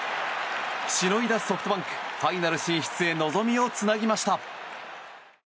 しのいだソフトバンクファイナル進出へ望みをつなげました。